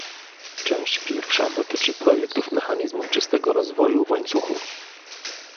Część pierwsza dotyczy projektów mechanizmu czystego rozwoju w łańcuchu